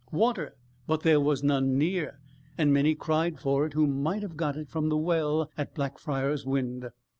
"Water!" but there was none near, and many cried for it who might have got it from the well at Blackfriars Wynd.